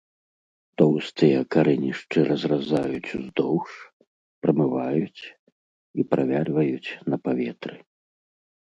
Тоўстыя карэнішчы разразаюць уздоўж, прамываюць і правяльваюць на паветры.